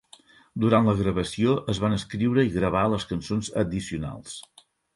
Durant la gravació es van escriure i gravar les cançons addicionals.